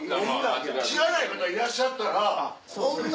知らない方いらっしゃったらこんな。